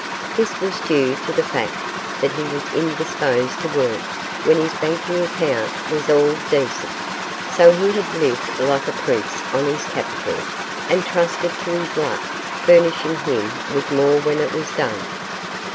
This was due to the fact that he was indisposed to work when his banking account was at all decent; so he had lived like a prince on his capital, and trusted to his luck furnishing him with more when it was done.